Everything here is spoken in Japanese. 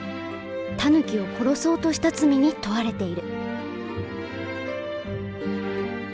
タヌキを殺そうとした罪に問われている。